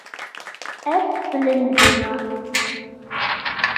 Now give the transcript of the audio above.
Ez bilind bûme.